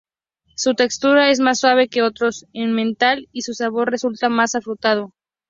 Su textura es más suave que otros emmental, y su sabor resulta más afrutado.